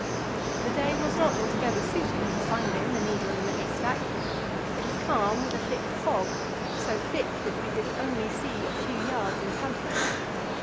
The day was not altogether suited for finding the needle in the haystack. It was calm with a thick fog, so thick that we could only see a few yards in front of us.